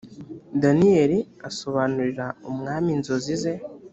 daniyeli asobanurira umwami inzozi ze